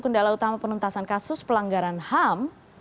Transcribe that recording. kendala utama penuntasan kasus pelanggaran ham